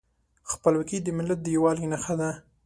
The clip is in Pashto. خپلواکي د ملت د یووالي نښه ده.